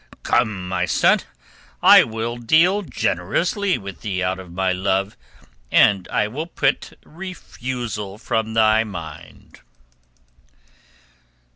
"Come, my son. I will deal generously with thee out of my love, and I will put thy refusal from my mind."